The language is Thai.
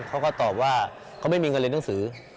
เขาก็ตอบว่าเขาไม่มีเงินเรียนหนังสือ